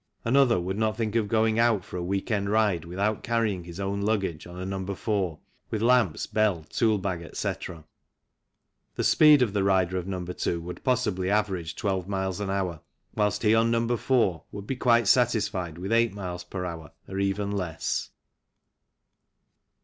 Another would not think of going out for a week end ride without carrying his own luggage on a No. 4, with lamps, bell, toolbag, etc. The speed of the rider of No. 2 would possibly average 12 miles an hour, whilst he on No. 4 would be quite satisfied with 8 miles per hour, or even less.